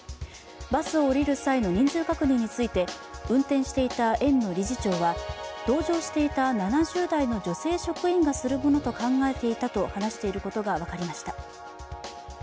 バスを降りる際の人数確認について運転していた園の理事長は同乗していた７０代の女性職員がするものと考えていたと話していることが分かりました。